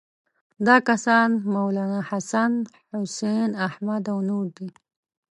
دا کسان مولناحسن، حسین احمد او نور دي.